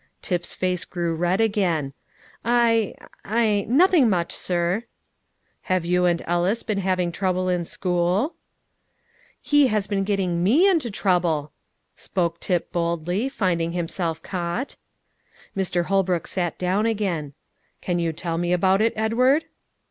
Tip's face grew red again. "I I nothing much, sir." "Have you and Ellis been having trouble in school?" "He has been getting me into trouble," spoke Tip boldly, finding himself caught. Mr. Holbrook sat down again. "Can you tell me about it, Edward?"